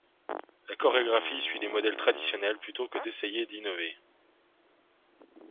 La chorégraphie suit les modèles traditionnels plutôt que d'essayer d'innover.